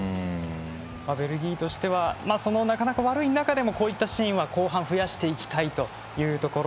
ベルギーとしては悪い中でもこういったシーンは後半、増やしていきたいという。